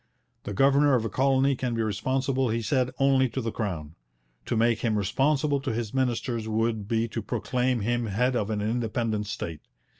The governor of a colony can be responsible, he said, only to the Crown; to make him responsible to his ministers would be to proclaim him head of an independent state.